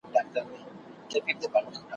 پر اصفهان دي د تورو شرنګ وو `